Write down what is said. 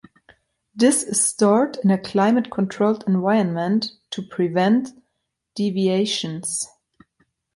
This is stored in a climate-controlled environment to prevent deviations.